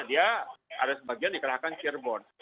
dia ada sebagian dikerahkan cirebon